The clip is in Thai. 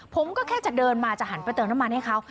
ผมก็แค่จะเดินมาจะหันไปเติมน้ำมันให้เขา